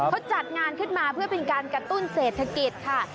เขาจัดงานขึ้นมาเพื่อเป็นการกระตุ้นเศรษฐกิจค่ะ